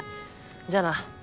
じゃあな。